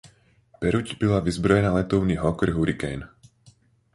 Peruť byla vyzbrojena letouny Hawker Hurricane.